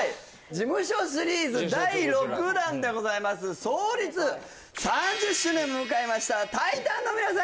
事務所シリーズ第６弾でございます創立３０周年を迎えましたタイタンの皆さん